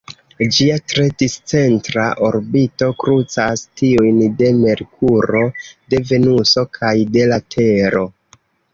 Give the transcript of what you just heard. Ĝia tre discentra orbito krucas tiujn de Merkuro, de Venuso kaj de la Tero.